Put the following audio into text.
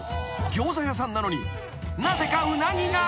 ギョーザ屋さんなのになぜかうなぎが！］